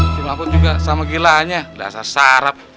si mampu juga sama gilaannya rasa sarap